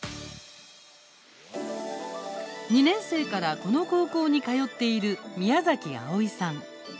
２年生からこの高校に通っている宮崎葵さん。